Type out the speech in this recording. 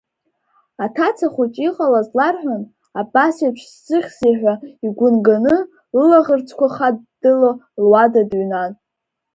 Аҭаца хәыҷы иҟалаз ларҳәан, абас еиԥш зсыхьзеи ҳәа игәынганы, лылаӷырӡқәа хаддыло луада дыҩнан.